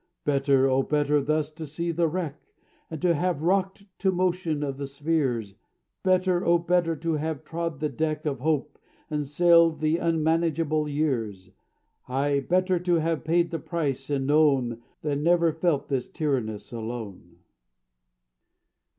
Better, oh, better thus to see the wreck, And to have rocked to motion of the spheres; Better, oh, better to have trod the deck Of hope, and sailed the unmanageable years Ay, better to have paid the price, and known, Than never felt this tyrannous Alone!